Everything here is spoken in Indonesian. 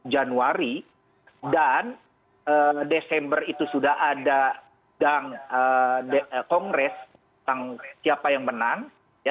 januari dan desember itu sudah ada kongres tentang siapa yang menang